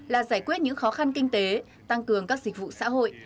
là giải quyết những khó khăn kinh tế tăng cường các dịch vụ xã hội